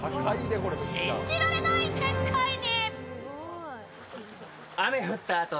信じられない展開に。